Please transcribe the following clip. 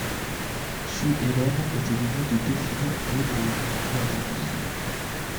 Sue Ellen était l'aîné de deux filles nées et ayant grandi à Dallas.